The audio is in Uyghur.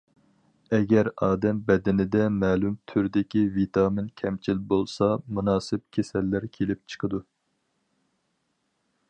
ئەگەر ئادەم بەدىنىدە مەلۇم تۈردىكى ۋىتامىن كەمچىل بولسا، مۇناسىپ كېسەللەر كېلىپ چىقىدۇ.